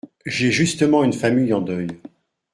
J’ai justement une famille en deuil…